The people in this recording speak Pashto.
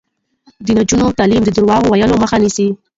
د نجونو تعلیم د درواغو ویلو مخه نیسي.